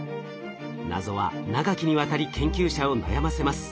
謎は長きにわたり研究者を悩ませます。